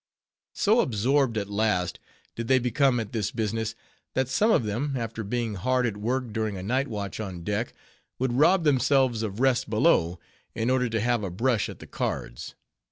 _ So absorbed, at last, did they become at this business, that some of them, after being hard at work during a nightwatch on deck, would rob themselves of rest below, in order to have a brush at the cards.